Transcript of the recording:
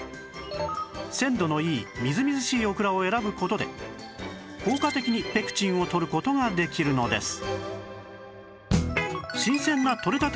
鮮度のいいみずみずしいオクラを選ぶ事で効果的にペクチンをとる事ができるのです